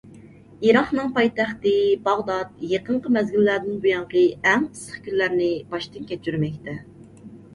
ئىراقنىڭ پايتەختى باغدات يېقىنقى مەزگىللەردىن بۇيانقى ئەڭ ئىسسىق كۈنلەرنى باشتىن كەچۈرمەكتە.